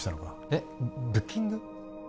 えっブッキング？